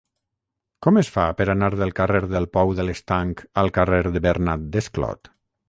Com es fa per anar del carrer del Pou de l'Estanc al carrer de Bernat Desclot?